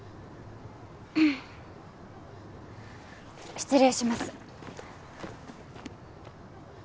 失礼します。